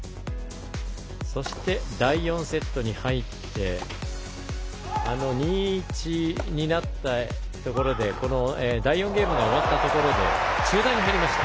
そして、第４セットに入って第４ゲームが終わったところで中断に入りました。